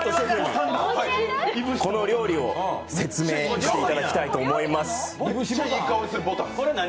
この料理を説明していただきたいと思います。